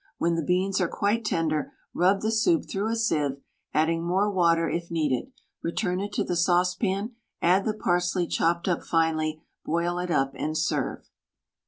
When the beans are quite tender, rub the soup through a sieve, adding more water if needed; return it to the saucepan, add the parsley chopped up finely, boil it up and serve.